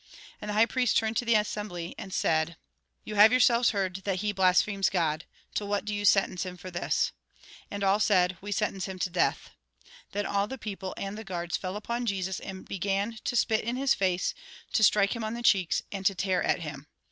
And the high priest turned to the assembly, and said :" You ISO THE GOSPEL IN BRIEF have yourselves heard that he blasphemes God. To what do you sentence him for this ?" And all said :" We sentence him to death." Then all the people, and the guards, fell upon Jesus, and began to spit in his face, to strike him on the cheeks, and to tear at him.